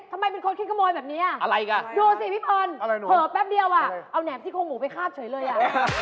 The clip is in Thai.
ทำไมเป็นคนคิดขโมยแบบนี้อะไรอีกดูสิพี่พรเผลอแป๊บเดียวอ่ะเอาแหมซี่โครงหมูไปคาบเฉยเลยอ่ะ